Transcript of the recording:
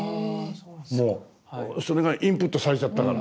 もうそれがインプットされちゃったから。